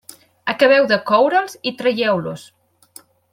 Acabeu de coure'ls i traieu-los.